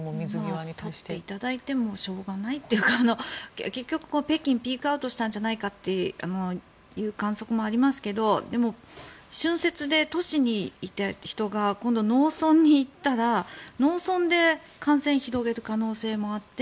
取っていただいてもしょうがないというか結局、北京はピークアウトしたんじゃないかという観測もありますがでも、春節で都市にいた人が今度農村に行ったら農村で感染を広げる可能性もあって。